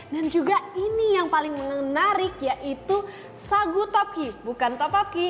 dan juga ini yang paling menarik yaitu sagu topki bukan topoki